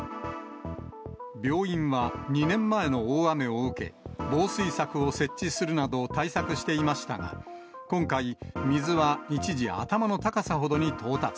病院は２年前の大雨を受け、防水柵を設置するなど、対策していましたが、今回、水は一時、頭の高さほどに到達。